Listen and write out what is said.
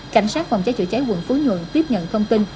cảnh sát phòng cháy chữa cháy quận phú nhuận tiếp nhận thông tin